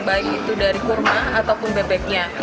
baik itu dari kurma ataupun bebeknya